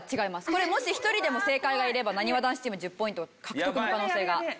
これもし１人でも正解がいればなにわ男子チーム１０ポイント獲得の可能性があります。